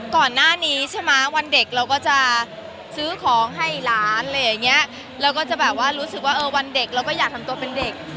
ก่อนหน้านี้ใช่มะวันเด็กเราก็จะซื้อของให้ร้านเราก็จะรู้สึกว่าวันเด็กเราก็อยากทำตัวเป็นเด็ก